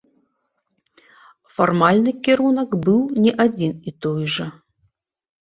Фармальны кірунак быў не адзін і той жа.